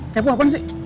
kepo apaan sih